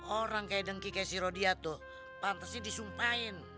orang kayak dengki kayak si rodia tuh pantes sih disumpahin